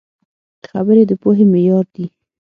خبرې د پوهې معیار دي